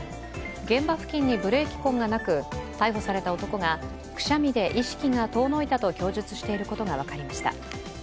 現場付近にブレーキ痕がなく逮捕された男がくしゃみで意識が遠のいたと供述していることが分かりました。